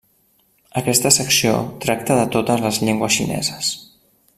Aquesta secció tracta de totes les llengües xineses.